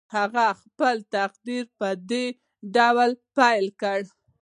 هغه خپل تقریر په دې ډول پیل کړ.